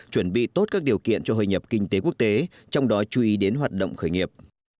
chuẩn bị tốt các điều kiện cho hội nhập kinh tế quốc tế trong đó chú ý đến hoạt động khởi nghiệp